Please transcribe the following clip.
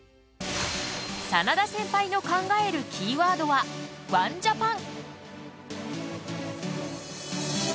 眞田センパイの考えるキーワードは「ワン・ジャパン」。